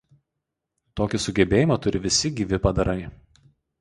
Tokį sugebėjimą turi visi gyvi padarai.